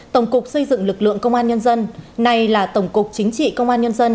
tổng cục xây dựng lực lượng công an nhân dân nay là tổng cục chính trị công an nhân dân